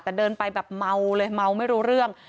แต่เดินไปแบบเมาเลยเมาไม่รู้เรื่อง